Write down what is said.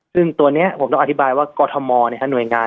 ซึ่งตัวนี้ผมต้องอธิบายว่ากรทมหน่วยงาน